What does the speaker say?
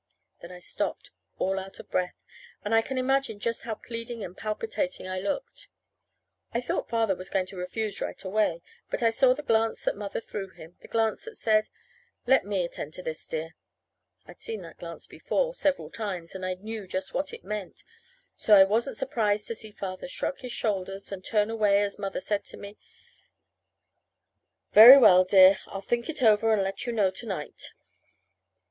Then I stopped, all out of breath, and I can imagine just how pleading and palpitating I looked. I thought Father was going to refuse right away, but I saw the glance that Mother threw him the glance that said, "Let me attend to this, dear." I'd seen that glance before, several times, and I knew just what it meant; so I wasn't surprised to see Father shrug his shoulders and turn away as Mother said to me: "Very well, dear. Ill think it over and let you know to night."